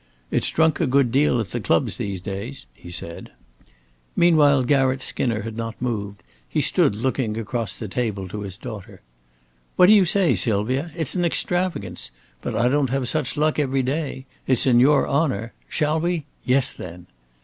"It's drunk a good deal at the clubs nowadays," he said. Meanwhile Garratt Skinner had not moved. He stood looking across the table to his daughter. "What do you say, Sylvia? It's an extravagance. But I don't have such luck every day. It's in your honor. Shall we? Yes, then!"